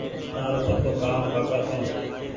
تآرو ڪسو ڪآم ڪاڪا سو